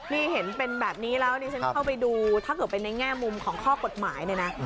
นี่เห็นเป็นแบบนี้แล้วนี่ฉันเข้าไปดูถ้าเกิดเป็นในแง่มุมของข้อกฎหมายเนี่ยนะ